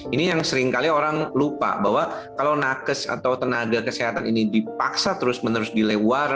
jadi seringkali orang lupa bahwa kalau nakes atau tenaga kesehatan ini dipaksa terus menerus dilewar